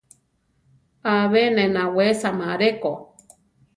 Abe ne nawesama areko.